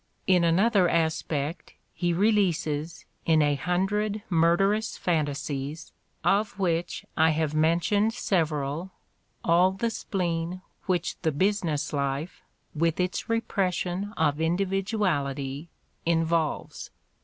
In another aspect, he releases, in a hundred murderous fantasies of which I have mentioned several, all the spleen which the business life, with its repression of individuality, involves.